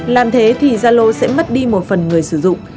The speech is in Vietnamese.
làm thế thì zalo sẽ mất đi một phần người sử dụng